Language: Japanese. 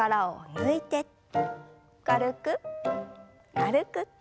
軽く軽く。